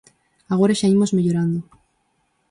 Agora xa imos mellorando.